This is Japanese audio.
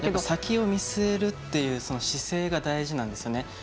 先を見据えるっていう姿勢が大事なんですよね。